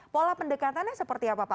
pola pendekatannya seperti apa pak